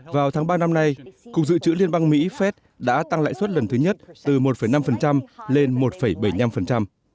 vào tháng ba năm nay cục dự trữ liên bang mỹ phép đã tăng lãi suất lần thứ nhất từ một năm phần trăm lên một bảy mươi năm phần trăm